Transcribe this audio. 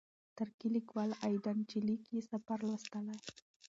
ترکی لیکوال ایدان چیلیک یې سفر لوستلی.